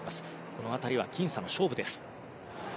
この辺りは僅差の勝負。